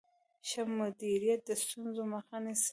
ښه مدیریت د ستونزو مخه نیسي.